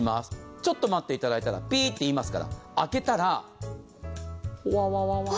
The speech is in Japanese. ちょっと待っていただいたらピーっていいますから開けたらほわわわわ。